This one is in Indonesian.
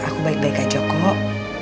aku baik baik aja kok